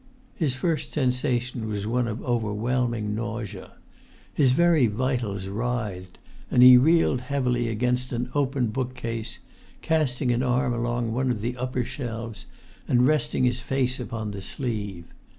His first sensation was one of overwhelming nausea. His very vitals writhed; and he reeled heavily against an open bookcase, casting an arm along one of the upper shelves, and resting his face upon the sleeve.